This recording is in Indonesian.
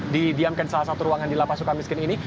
didiamkan salah satu ruangan di lp sukamiskin ini